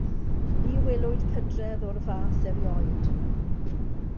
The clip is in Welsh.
Ni welwyd pydredd o'r fath erioed.